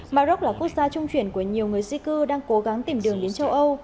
maroc là quốc gia trung chuyển của nhiều người di cư đang cố gắng tìm đường đến châu âu